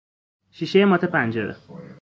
شیشهی مات پنجره